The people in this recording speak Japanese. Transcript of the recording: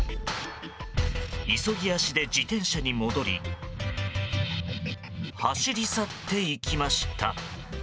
急ぎ足で自転車に戻り走り去っていきました。